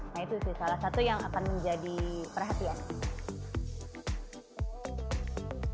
nah itu salah satu yang akan menjadi perhatian